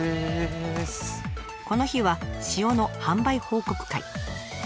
この日は塩の販売報告会。